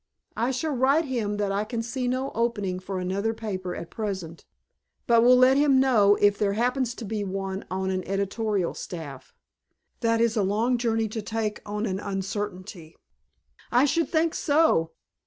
I shall write him that I can see no opening for another paper at present, but will let him know if there happens to be one on an editorial staff. That is a long journey to take on an uncertainty." "I should think so.